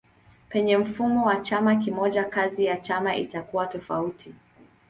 Penye mfumo wa chama kimoja kazi ya chama itakuwa tofauti.